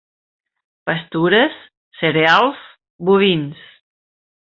Pastures, cereals, bovins.